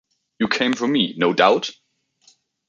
You came for me, no doubt?